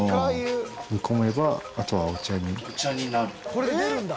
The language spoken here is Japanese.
これで出るんだ？